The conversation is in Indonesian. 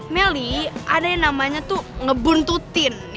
melly ada yang namanya tuh ngebuntutin